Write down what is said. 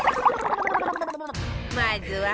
まずは